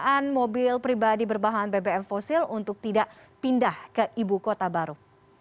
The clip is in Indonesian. penggunaan mobil pribadi berbahan bbm fosil untuk tidak pindah ke ibu kota baru